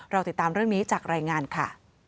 ติดตามเรื่องนี้จากรายงานค่ะ